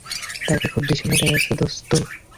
তাকে খুব ভীষন্ন দেখাচ্ছে, দোস্ত।